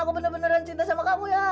aku bener beneran cinta sama kamu ya